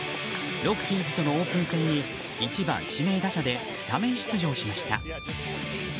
ロッキーズとのオープン戦に１番指名打者でスタメン出場しました。